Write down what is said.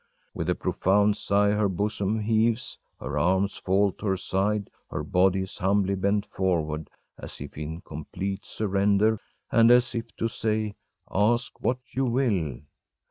‚ÄĚ With a profound sigh her bosom heaves, her arms fall to her side, her body is humbly bent forward as if in complete surrender, and as if to say: Ask what you will!